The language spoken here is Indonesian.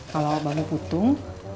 kalau bambu petung